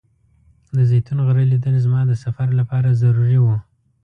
د زیتون غره لیدل زما د سفر لپاره ضروري و.